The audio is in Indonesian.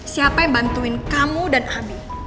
siapa yang bantuin kamu dan abi